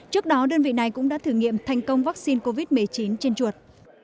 trước đó đơn vị này cũng đã thử nghiệm thành công vaccine covid một mươi chín trên chuột